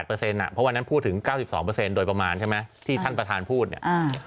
เพราะวันนั้นพูดถึง๙๒โดยประมาณใช่ไหมที่ท่านประธานพูดเนี่ย